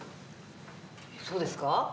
「そうですか？」